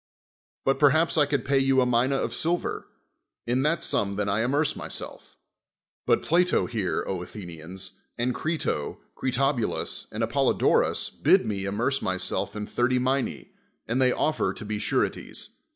But per haps I could pay you a mina of silver; in that sum then I amerce myself. But Plato here, Athenians, and Crito, Critobulus, and Apollo d'trus bid me amerce myself in thirty mina', and they ofi'er to be sureties.